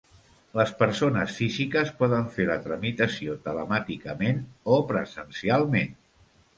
Les persones físiques poden fer la tramitació telemàticament o presencialment.